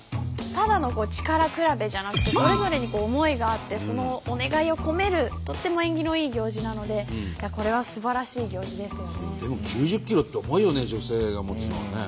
ただの力比べじゃなくてそれぞれに思いがあってそのお願いを込めるとっても縁起のいい行事なのでこれはすばらしい行事ですよね。